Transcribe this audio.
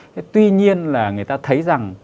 thế tuy nhiên là người ta thấy rằng